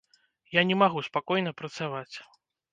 Я не магу спакойна працаваць.